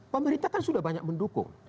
pemerintah kan sudah banyak mendukung